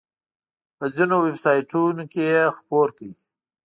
په ځینو ویب سایټونو کې یې خپور کړ.